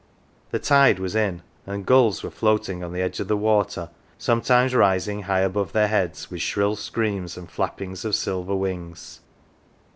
The tide was in, and gulls were floating on the edge of the water, sometimes rising high above their heads with shrill screams and flappings of silver wings.